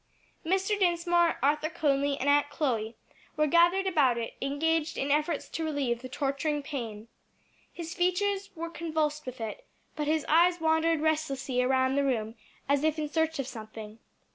Mr. Dinsmore, Arthur Conly, and Aunt Chloe were gathered about it engaged in efforts to relieve the torturing pain. His features were convulsed with it, but his eyes wandered restlessly around the room as if in search of something.